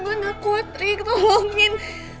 gue gak kuat rik tolongin